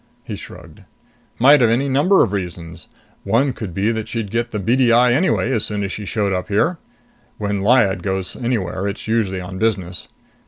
He shrugged. "Might have a number of reasons. One could be that she'd get the beady eye anyway as soon as she showed up here. When Lyad goes anywhere, it's usually on business.